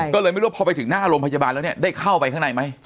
ก็เลยไม่รู้ว่าพอไปถึงหน้าโรงพยาบาลแล้วเนี่ยได้เข้าไปข้างในไหม